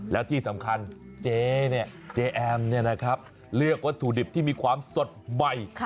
แล้วที่สำคัญเจ๊เนี่ยเจ๊แอมเลือกวัตถุดิบที่มีความสดใหม่